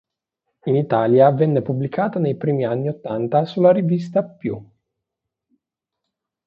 In Italia venne pubblicata nei primi anni ottanta sulla rivista "Più".